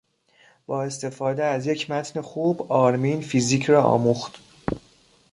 با استفاده از یک متن خوب آرمین فیزیک را آموخت.